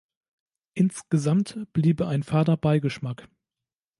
Insgesamt bliebe ein „fader Beigeschmack“.